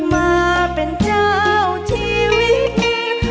มาเป็นเจ้าชีวิต